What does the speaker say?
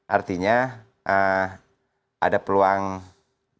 artinya ada peluang bisnis dari